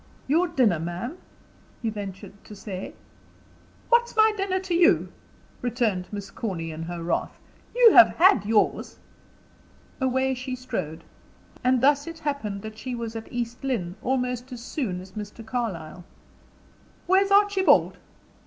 "Your dinner, ma'am?" he ventured to say. "What's my dinner to you?" returned Miss Corny, in her wrath. "You have had yours." Away she strode. And thus it happened that she was at East Lynne almost as soon as Mr. Carlyle. "Where's Archibald?"